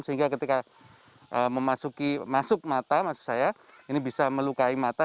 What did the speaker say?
sehingga ketika masuk mata ini bisa melukai mata